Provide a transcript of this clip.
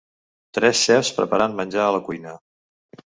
Tres xefs preparant menjar a la cuina.